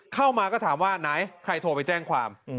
เข้ามาก็ถามว่าไหนใครโทรไปแจ้งความ